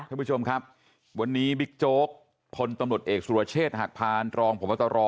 ท่านผู้ชมครับวันนี้บิ๊กโจ๊กพลตำรวจเอกสุรเชษฐ์หักพานรองพบตร